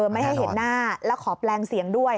ไม่ให้เห็นหน้าแล้วขอแปลงเสียงด้วย